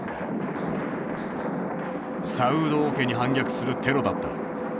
サウード王家に反逆するテロだった。